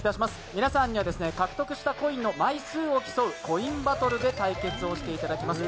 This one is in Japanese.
皆さんには獲得したコインの枚数を競うコインバトルで対決をしていただきます。